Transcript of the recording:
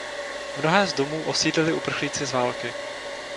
Mnohé z domů osídlili uprchlíci z války.